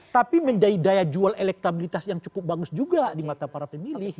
tapi menjadi daya jual elektabilitas yang cukup bagus juga di mata para pemilih